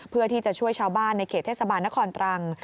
เพื่อที่จะช่วยชาวบ้านในเขตเทศบาลนครตรัง